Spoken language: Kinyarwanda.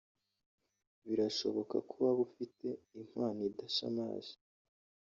Birashoboka ko waba ufite impano idashamaje